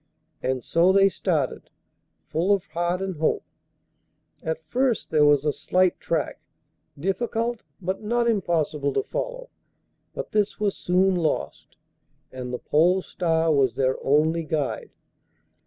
And so they started, full of heart and hope. At first there was a slight track, difficult, but not impossible to follow; but this was soon lost, and the Pole Star was their only guide.